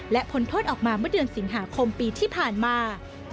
และพ้นโทษออกมาเมื่อเดือนสิงหาคมปีที่ผ่านมา